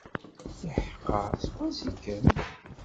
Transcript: Iḥeqqa, seg wansi-kem?